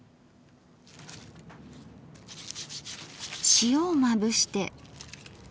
塩をまぶして。